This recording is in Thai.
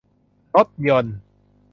รถยนต์